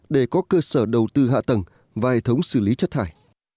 để có cơ sở đầu tư hạ tầng và hệ thống xử lý chất thải